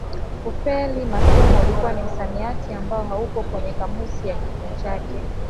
Kufeli masomo ulikuwa ni msamiati ambao haupo kwenye kamusi ya kichwa chake